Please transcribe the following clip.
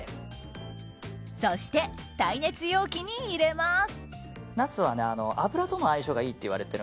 そして、耐熱容器に入れます。